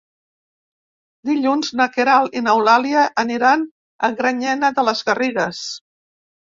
Dilluns na Queralt i n'Eulàlia aniran a Granyena de les Garrigues.